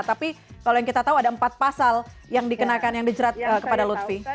tapi kalau yang kita tahu ada empat pasal yang dikenakan yang dijerat kepada lutfi